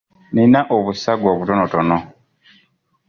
Nnina obusago obutonotono.